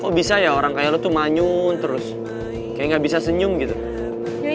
kok bisa ya orang kayak lu tuh manyun terus kayak gak bisa senyum gitu ya